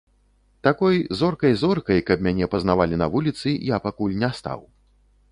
Такой зоркай-зоркай, каб мяне пазнавалі на вуліцы, я пакуль не стаў.